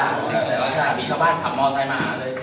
มีช้าบ้านขับมอสไทยมาหาเรื่อย